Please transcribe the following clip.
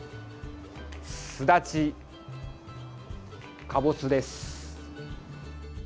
すだち、かぼすです。